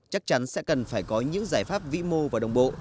chắc chắn sẽ cần phải có những giải pháp vĩ mô và đồng bộ